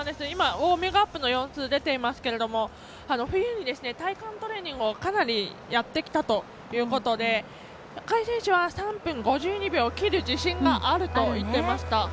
ウォーミングアップの様子が出ていますけれども冬に体幹トレーニングをかなりやってきたということで赤井選手は３分５２秒を切る自信があると言っていました。